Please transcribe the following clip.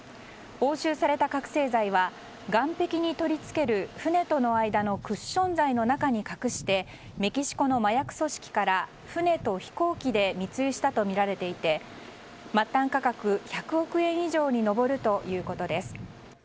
押収された覚醒剤は岸壁に取り付ける船との間のクッション材の中に隠してメキシコの麻薬組織から船と飛行機で密輸したとみられていて末端価格１００億円以上に上るということです。